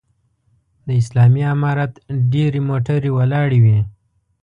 د اسلامي امارت ډېرې موټرې ولاړې وې.